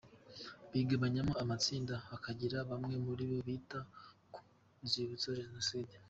Bigabanyamo amatsinda, hakagira bamwe muri bo bita ku nzibutso za Jenoside.